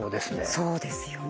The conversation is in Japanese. そうですよね。